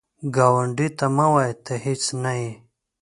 ګاونډي ته مه وایه “ته هیڅ نه یې”